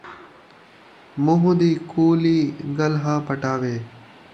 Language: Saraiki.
مون٘ہہ دی کُولی ڳلھاں پٹاوے